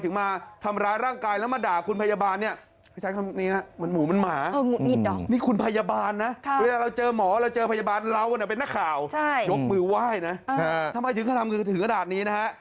ถึงมือไหว้นะถึงขนามคือถึงขนาดนี้นะฮะ